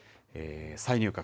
再入閣。